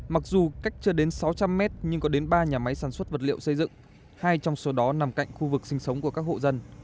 mặc dù cách chưa đến sáu trăm linh mét nhưng có đến ba nhà máy sản xuất vật liệu xây dựng hai trong số đó nằm cạnh khu vực sinh sống của các hộ dân